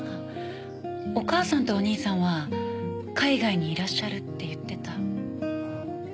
お母さんとお兄さんは海外にいらっしゃるって言ってた。